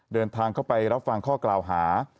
เดินทางเข้าไปรับฟังข้อกล่าวหา